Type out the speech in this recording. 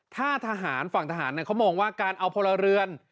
ถ้าทหารฝั่งทหารเขามองว่าการเอาพลเรือน